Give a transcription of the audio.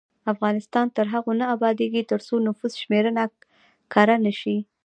افغانستان تر هغو نه ابادیږي، ترڅو نفوس شمېرنه کره نشي.